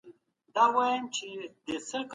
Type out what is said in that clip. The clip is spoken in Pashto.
د کندهارۍ خولۍ ځانګړتیا څه ده؟